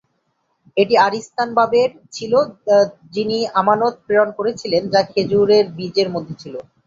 এটি আরিস্তান-বাবের ছিল যিনি আমানত প্রেরণ করেছিলেন, যা খেজুরের বীজের মধ্যে ছিল।